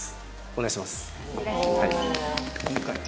お願いします。